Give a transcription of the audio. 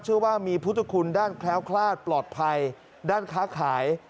เชื่อว่ามีพุทธคุณด้านแคล้วคลาดปลอดภัยด้านค้าขาย